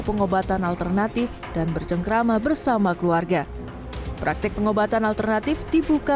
pengobatan alternatif dan bercengkrama bersama keluarga praktik pengobatan alternatif dibuka